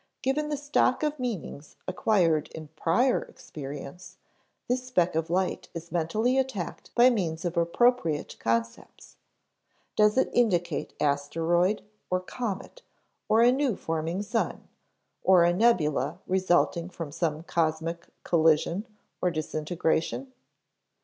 Given the stock of meanings acquired in prior experience, this speck of light is mentally attacked by means of appropriate concepts. Does it indicate asteroid, or comet, or a new forming sun, or a nebula resulting from some cosmic collision or disintegration?